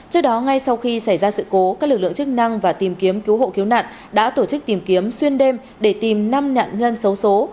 trước đó ngay sau khi xảy ra sự cố các lực lượng chức năng và tìm kiếm cứu hộ cứu nạn đã tổ chức tìm kiếm xuyên đêm để tìm năm nạn nhân xấu xố